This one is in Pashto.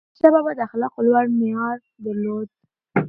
احمدشاه بابا د اخلاقو لوړ معیار درلود.